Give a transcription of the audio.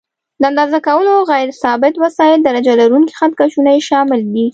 د اندازه کولو غیر ثابت وسایل: درجه لرونکي خط کشونه یې شامل دي.